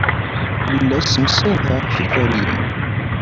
La ssemsadeɣ tiferyin.